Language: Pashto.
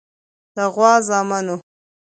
د غوا زامنو.